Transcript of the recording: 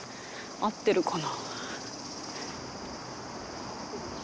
あってるかな？